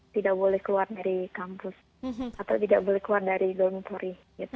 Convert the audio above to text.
tidak boleh keluar dari kampus atau tidak boleh keluar dari gorning pori